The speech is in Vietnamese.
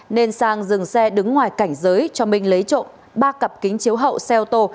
nên sang dừng xe đứng ngoài cảnh giới cho minh lấy trộm ba cặp kính chiếu hậu xe ô tô